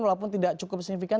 walaupun tidak cukup signifikan